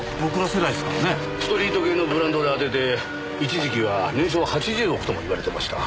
ストリート系のブランドで当てて一時期は年商８０億とも言われてました。